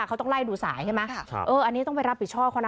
เขาต้องไล่ดูสายใช่ไหมอันนี้ต้องไปรับผิดชอบเขานะ